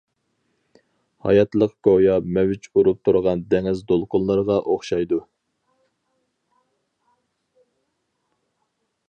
ھاياتلىق گويا مەۋج ئۇرۇپ تۇرغان دېڭىز دولقۇنلىرىغا ئوخشايدۇ.